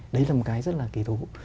đấy là một cái rất là kỳ thú